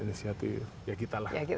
inisiatif ya kita lah